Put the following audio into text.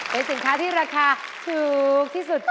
เป็นสินค้าที่ราคาถูกที่สุด